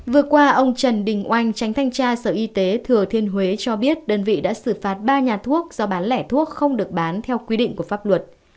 vừa qua ông trần đình oanh tránh thanh tra sở y tế thừa thiên huế cho biết đơn vị đã xử phạt ba nhà thuốc do bán lẻ thuốc không được bán theo quy định của pháp luật